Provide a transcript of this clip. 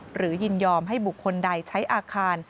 ยินยอมให้บุคคลใดใช้อาคาร